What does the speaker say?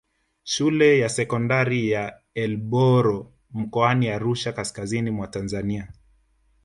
Shule ya sekondari ya Elboro mkoani Arusha kaskazini mwa Tanzania